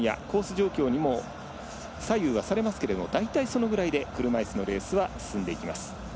状況にも左右はされますけれども大体、それぐらいで車いすのレースは進んでいきます。